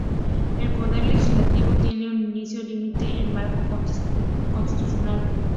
El poder legislativo tiene un único límite: el marco constitucional.